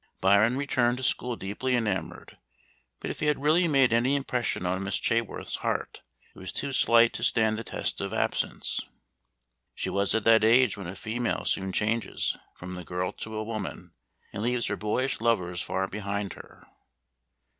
Byron returned to school deeply enamored, but if he had really made any impression on Miss Chaworth's heart, it was too slight to stand the test of absence. She was at that age when a female soon changes from the girl to a woman, and leaves her boyish lovers far behind her.